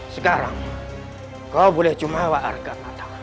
sekarang kau boleh cuma wakar arkanata